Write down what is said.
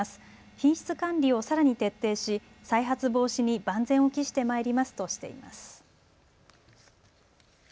品質管理をさらに徹底し再発防止に万全を期してまいりますとしています。